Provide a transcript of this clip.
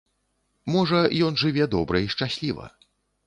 Можа, ён жыве добра і шчасліва.